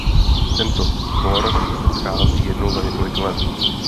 Tento sbor se schází jednou za několik let.